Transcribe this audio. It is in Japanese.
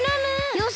よし！